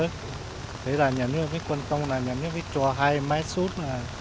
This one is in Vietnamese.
nếu quan tâm là nhà nước chờ hai mét xuống xuống đi là chẳng là chờ hơn một tiếng rồi